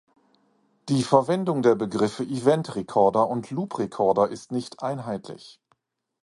Die Verwendung der Begriffe Event-Recorder und Loop-Recorder ist nicht einheitlich.